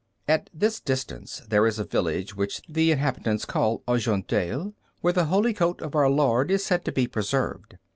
At this distance there is a village which the inhabitants call Argenteuil, where the Holy Coat of Our Lord is said to be preserved.